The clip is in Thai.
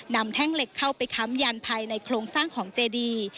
แท่งเหล็กเข้าไปค้ำยันภายในโครงสร้างของเจดี